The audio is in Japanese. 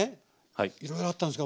いろいろあったんですけど